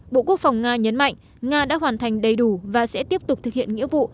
bộ quốc phòng nga nhấn mạnh nga đã hoàn thành đầy đủ và sẽ tiếp tục thực hiện nghĩa vụ